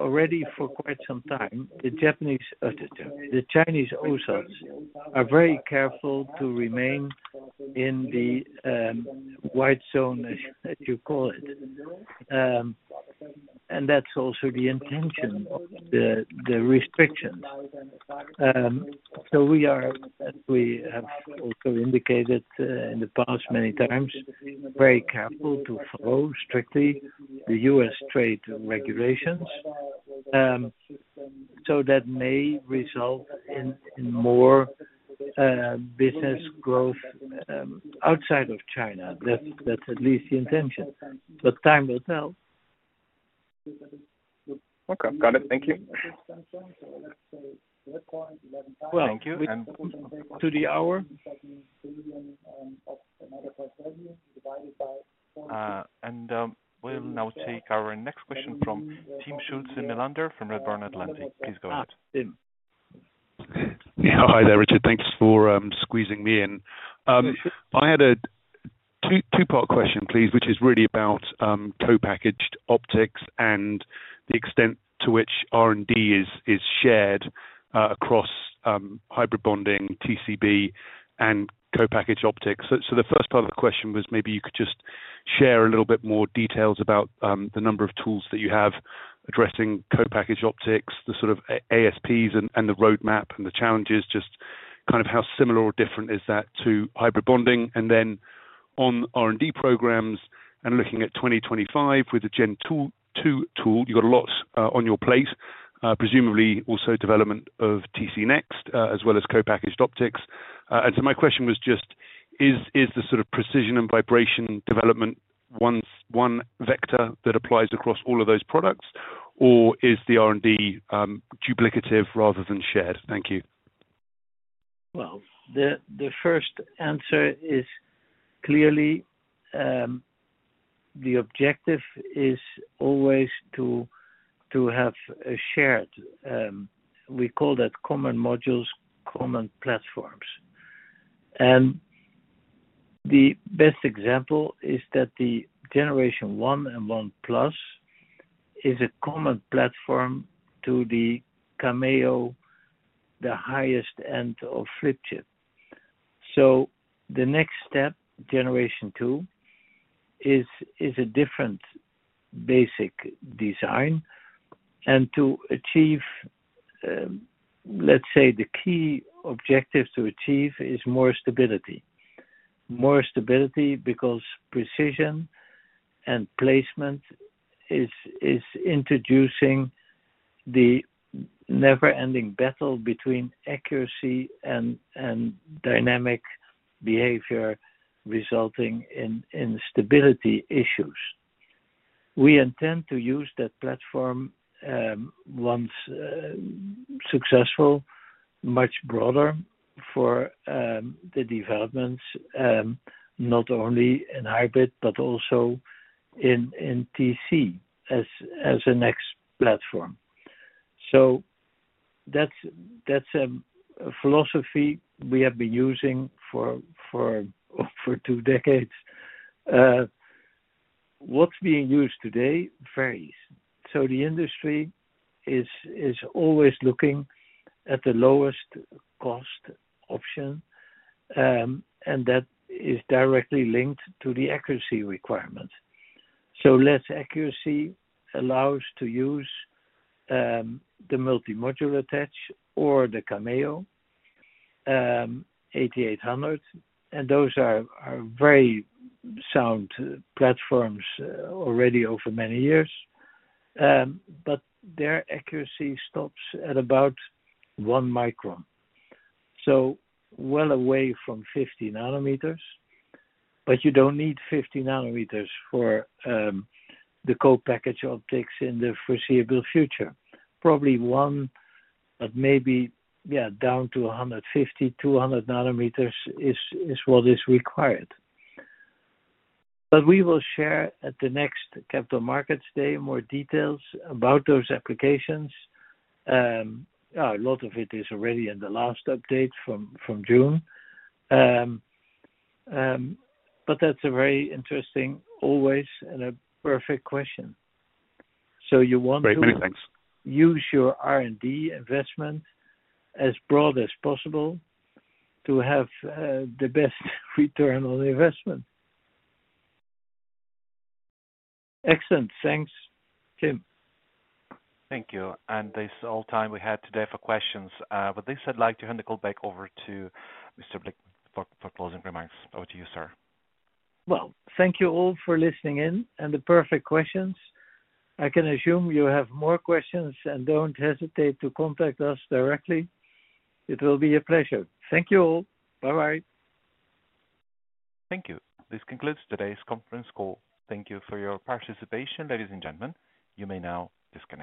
Already for quite some time, the Chinese OSATs are very careful to remain in the white zone, as you call it. That's also the intention of the restrictions. We are, as we have also indicated in the past many times, very careful to follow strictly the U.S. trade regulations. That may result in more business growth outside of China. That's at least the intention. Time will tell. Okay. Got it. Thank you. Thank you. And to the hour. And we'll now take our next question from Timm Schulze-Melander from Redburn Atlantic. Please go ahead. Hi there, Richard. Thanks for squeezing me in. I had a two-part question, please, which is really about co-packaged optics and the extent to which R&D is shared across hybrid bonding, TCB, and co-packaged optics, so the first part of the question was maybe you could just share a little bit more details about the number of tools that you have addressing co-packaged optics, the sort of ASPs and the roadmap and the challenges, just kind of how similar or different is that to hybrid bonding, and then on R&D programs and looking at 2025 with the Gen2 tool, you've got a lot on your plate, presumably also development of TC next as well as co-packaged optics, and so my question was just, is the sort of precision and vibration development one vector that applies across all of those products, or is the R&D duplicative rather than shared? Thank you. Well, the first answer is clearly the objective is always to have a shared, we call that common modules, common platforms. And the best example is that the Generation 1 and 1+ is a common platform to the CHAMEO, the highest end of flip chip. So the next step, Generation 2, is a different basic design. And to achieve, let's say, the key objectives to achieve is more stability. More stability because precision and placement is introducing the never-ending battle between accuracy and dynamic behavior resulting in stability issues. We intend to use that platform once successful, much broader for the developments, not only in hybrid, but also in TC as a next platform. So that's a philosophy we have been using for two decades. What's being used today varies. So the industry is always looking at the lowest cost option, and that is directly linked to the accuracy requirements. So less accuracy allows to use the multi-module attach or the CHAMEO 8800. And those are very sound platforms already over many years. But their accuracy stops at about 1 micron. So well away from 50 nanometers. But you don't need 50 nanometers for the co-packaged optics in the foreseeable future. Probably 1, but maybe, yeah, down to 150, 200 nanometers is what is required. But we will share at the next Capital Markets Day more details about those applications. A lot of it is already in the last update from June. But that's a very interesting, always, and a perfect question. So you want to. Great meeting. Thanks. Use your R&D investment as broad as possible to have the best return on investment. Excellent. Thanks, Tim. Thank you. And this is all the time we had today for questions. With this, I'd like to hand the call back over to Mr. Blickman for closing remarks. Over to you, sir. Thank you all for listening in and the perfect questions. I can assume you have more questions and don't hesitate to contact us directly. It will be a pleasure. Thank you all. Bye-bye. Thank you. This concludes today's conference call. Thank you for your participation, ladies and gentlemen. You may now disconnect.